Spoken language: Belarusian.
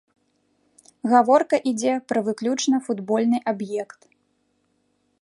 Гаворка ідзе пра выключна футбольны аб'ект.